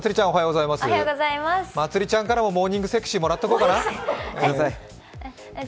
まつりちゃんからもモーニングセクシーもらっちゃおうかな。